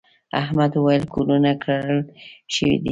احمد وويل: کورونه کرل شوي دي.